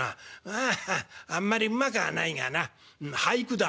「あああんまりうまくはないがな俳句だ」。